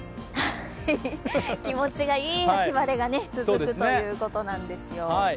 気持ちがいい秋晴れが続くということなんですよ。